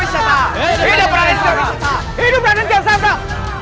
hidup raden kian santap